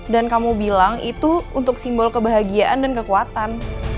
dan kamu bilang itu untuk simbol kebahagiaan dan kekuatan